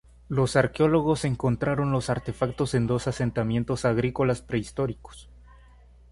Los arqueólogos encontraron los artefactos en dos asentamientos agrícolas prehistóricos.